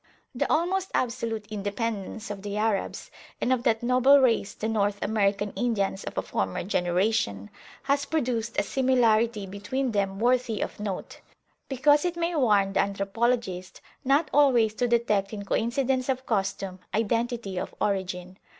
The almost absolute independence of the Arabs, and of that noble race the North American Indians of a former generation, has produced a similarity between them worthy of note, because it may warn the anthropologist not always to detect in coincidence of custom identity of origin.